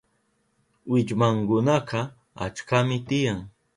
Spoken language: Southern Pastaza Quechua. Willmankunaka achkami tiyan.